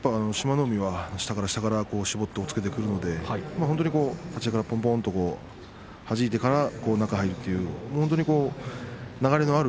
海は下から下から絞って押っつけてくるので立ち合いから、ぽんぽんとはじいてから中に入る